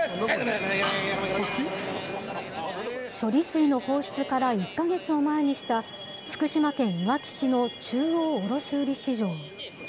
処理水の放出から１か月を前にした、福島県いわき市の中央卸売市場。